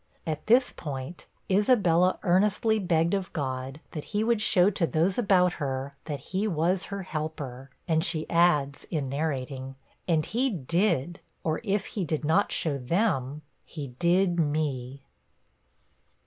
At this point, Isabella earnestly begged of God that he would show to those about her that He was her helper; and she adds, in narrating, 'And He did; or, if He did not show them, he did me.'